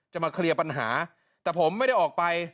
มาเคลียร์ปัญหาแต่ผมไม่ได้ออกไป